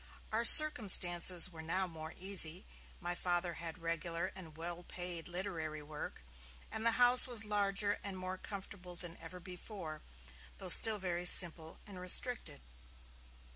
Our circumstances were now more easy; my Father had regular and well paid literary work; and the house was larger and more comfortable than ever before, though still very simple and restricted.